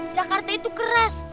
jakarta itu keras